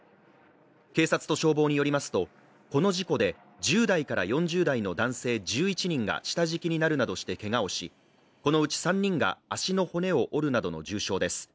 警察と消防によりますと、この事故で１０代から４０代の男性１１人が下敷きになるなどしてけがをしこのうち３人が足の骨を折るなどの重傷です。